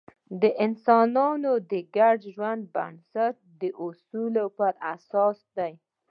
د انسانانو د ګډ ژوند بنسټ د اصولو پر اساس دی.